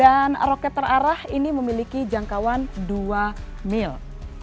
dan roket terarah ini memiliki jangkauan dua meter